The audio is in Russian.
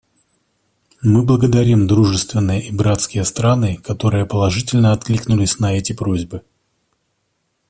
Мы благодарим дружественные и братские страны, которые положительно откликнулись на эти просьбы.